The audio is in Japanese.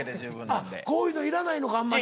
あっこういうのいらないのかあんまり。